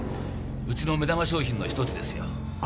ウチの目玉商品の１つですよ。